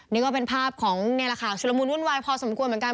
นี่ก็เป็นภาพของแนวราคาสุรมูลวุ่นวายพอสมควรเหมือนกัน